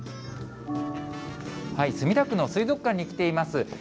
墨田区の水族館に来ています。